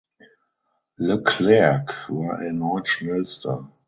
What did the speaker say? Leclerc war erneut Schnellster.